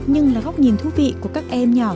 nhưng là góc nhìn thú vị của các em nhỏ